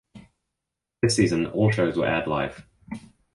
This season all shows were aired live.